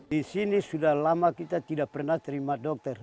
di sini sudah lama kita tidak pernah terima dokter